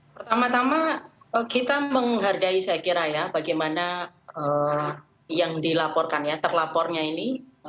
pertama tama kita menghargai saya kira ya bagaimana yang dilaporkan ya terlapornya ini